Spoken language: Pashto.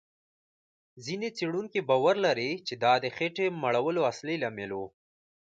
ځینې څېړونکي باور لري، چې دا د خېټې مړولو اصلي لامل و.